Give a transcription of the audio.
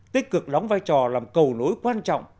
tích cực đóng vai trò làm cầu nối quan trọng